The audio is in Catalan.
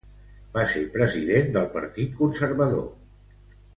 Va ser president del Partit Conservador Espanyol.